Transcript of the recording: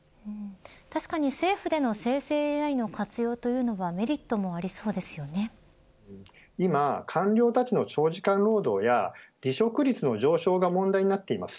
確かに政府での生成ＡＩの活用はメリットも今、官僚たちの長時間労働や離職率の上昇が問題になっています。